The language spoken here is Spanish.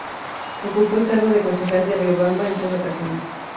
Ocupó el cargo de concejal de Riobamba en tres ocasiones.